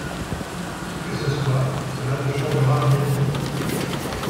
qui que ce soit, cela ne changera rien du tout.